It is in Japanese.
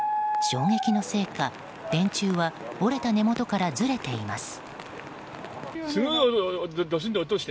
衝撃のせいか、電柱は折れた根元からずれています。